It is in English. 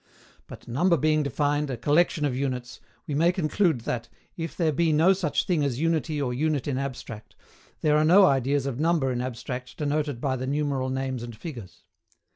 But, number being defined a "collection of units," we may conclude that, if there be no such thing as unity or unit in abstract, there are no ideas of number in abstract denoted by the numeral names and figures.